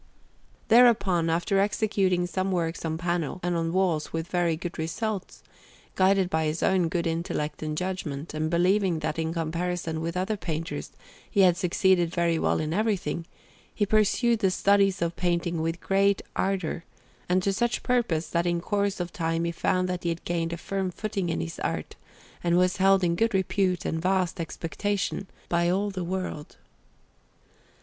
Thereupon, after executing some works on panel and on walls with very good results, guided by his own good intellect and judgment, and believing that in comparison with other painters he had succeeded very well in everything, he pursued the studies of painting with great ardour, and to such purpose, that in course of time he found that he had gained a firm footing in his art, and was held in good repute and vast expectation by all the world.